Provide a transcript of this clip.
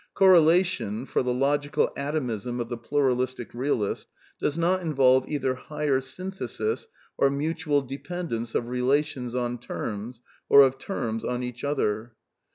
Correlation, for the logical atomism of the pluralistic realist, does not involve either ^* higher synthesis," or mutual dependence of rela tions on terms, or of terms on each other.